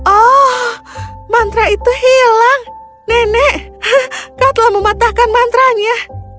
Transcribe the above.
oh mantra itu hilang nenek kau telah mematahkan mantranya